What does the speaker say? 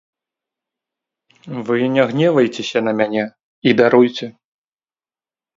Вы не гневайцеся на мяне і даруйце.